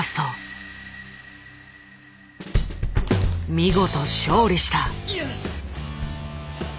見事勝利した！